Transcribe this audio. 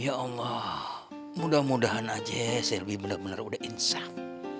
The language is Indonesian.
ya allah mudah mudahan aja selwi benar benar udah insang